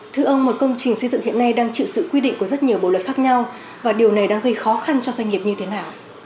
thưa ông một công trình xây dựng hiện nay đang chịu sự quy định của rất nhiều bộ luật khác nhau và điều này đang gây khó khăn cho doanh nghiệp như thế nào